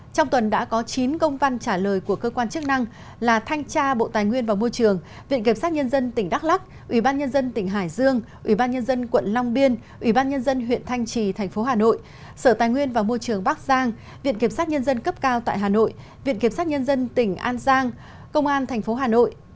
trong tuần đã có chín công văn trả lời của cơ quan chức năng là thanh tra bộ tài nguyên và môi trường viện kiểm sát nhân dân tỉnh đắk lắc ủy ban nhân dân tỉnh hải dương ủy ban nhân dân quận long biên ủy ban nhân dân huyện thanh trì thành phố hà nội sở tài nguyên và môi trường bắc giang viện kiểm sát nhân dân cấp cao tại hà nội viện kiểm sát nhân dân tỉnh an giang công an tp hà nội